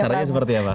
caranya seperti apa